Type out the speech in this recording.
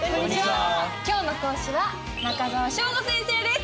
今日の講師は中澤匠吾先生です。